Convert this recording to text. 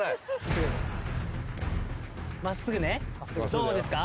どうですか？